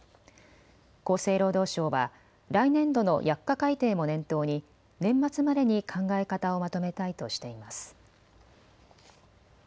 厚生労働省は来年度の薬価改定も念頭に年末までに考え方をまとめたいとしています。